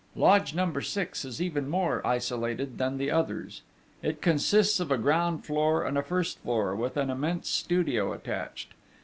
Lodge Number 6 is even more isolated than the others. It consists of a ground floor and a first floor, with an immense studio attached.